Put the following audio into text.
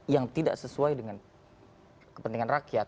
yang tidak sesuai dengan kepentingan rakyat